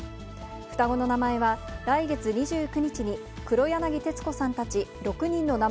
双子の名前は来月２９日に、黒柳徹子さんたち６人の名前